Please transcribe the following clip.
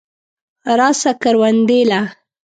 راسه کروندې له.